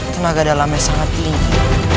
tenaga dalamnya sangat tinggi